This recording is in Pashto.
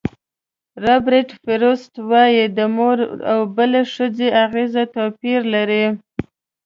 رابرټ فروسټ وایي د مور او بلې ښځې اغېزه توپیر لري.